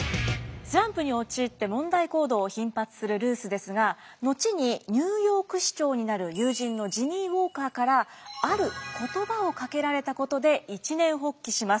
スランプに陥って問題行動を頻発するルースですが後にニューヨーク市長になる友人のジミー・ウォーカーからある言葉をかけられたことで一念発起します。